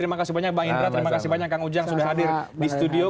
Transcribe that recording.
terima kasih banyak bang indra terima kasih banyak kang ujang sudah hadir di studio